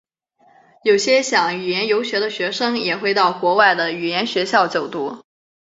有些想语言游学的学生也会到国外的语言学校就读。